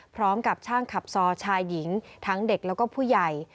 พร้อมกับช่างขับซอชายหญิงทั้งเด็กแล้วก็ผู้ใหญ่